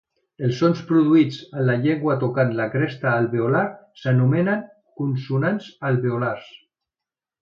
Els sons produïts amb la llengua tocant la cresta alveolar s'anomenen consonats alveolars.